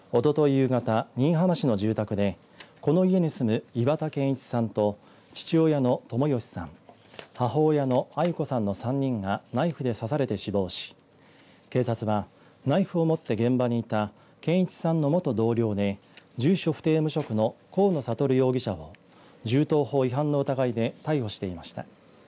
夕方新居浜市の住宅でこの家に住む岩田健一さんと父親の友義さん母親のアイ子さんの３人がナイフで刺されて死亡し警察はナイフを持って現場にいた健一さんの元同僚で住所不定無職の河野智容疑者を銃刀法違反の疑いで逮捕していました。